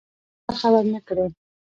هغه برخه ورنه کړي.